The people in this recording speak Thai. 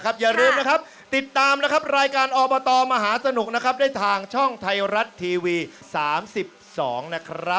สร้างศีรษะให้กับรายการของเราพี่สมจิตจงเจ้าห่อค่ะ